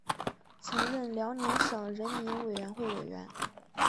曾任辽宁省人民委员会委员。